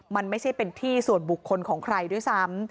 มันไม่ใช่เป็นที่ส่วนบุคคลของใครด้วยซ้ำ